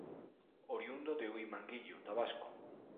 Oriundo de Huimanguillo, Tabasco.